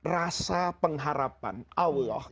rasa pengharapan allah